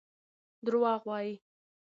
دروغ وايي.